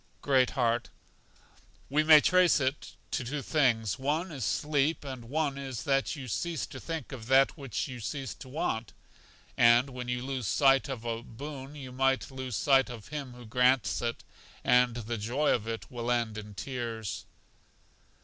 Great heart: We may trace it to two things; one is sleep, and one is that you cease to think of that which you cease to want; and when you lose sight of a boon you lose sight of Him who grants it, and the joy of it will end in tears.